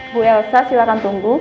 bu elsa silahkan tunggu